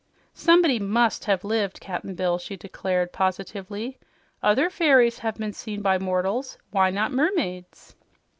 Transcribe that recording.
"Somebody MUST have lived, Cap'n Bill," she declared positively. "Other fairies have been seen by mortals; why not mermaids?"